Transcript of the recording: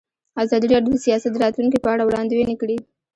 ازادي راډیو د سیاست د راتلونکې په اړه وړاندوینې کړې.